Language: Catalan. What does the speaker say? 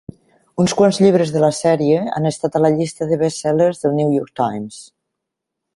Uns quants llibres de la sèrie han estat a la llista de best-sellers del "New York Times".